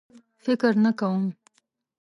فکر نه کوم.